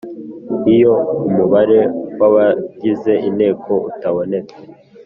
Iyo umubare w abagize Inteko utabonetse